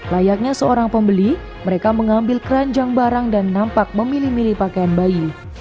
layaknya seorang pembeli mereka mengambil keranjang barang dan nampak memilih milih pakaian bayi